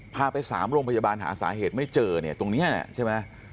พาไป๓โรงพยาบาลหาสาเหตุไม่เจอตรงนี้ใช่ไหม